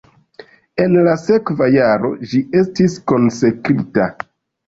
En la sekva jaro ĝi estis konsekrita.